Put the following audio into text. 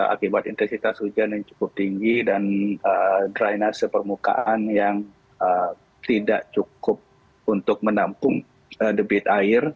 akibat intensitas hujan yang cukup tinggi dan drainase permukaan yang tidak cukup untuk menampung debit air